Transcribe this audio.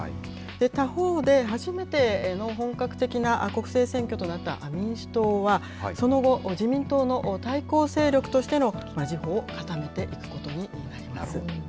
他方で初めての本格的な国政選挙となった民主党は、その後、自民党の対抗勢力としてのじほを固めていくことになります。